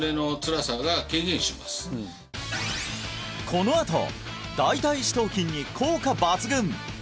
このあと大腿四頭筋に効果抜群！